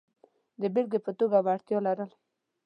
د بېلګې په توګه وړتیا لرل.